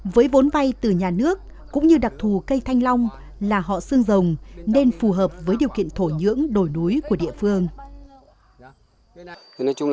với vốn vay từ nhà nước cũng như đặc thù cây thanh long là họ xương rồng nên phù hợp với điều kiện thổ nhiệm